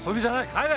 帰れ！